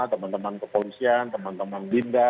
teman teman kepolisian teman teman binda